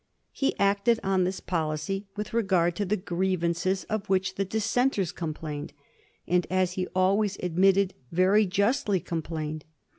He acted on this policy with regard to the griev ances of which the Dissenters complained, and, as he always admitted, very justly complained.